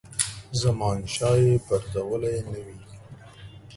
زمانشاه یې پرزولی نه وي.